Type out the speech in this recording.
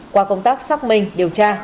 qua công tác xác minh điều tra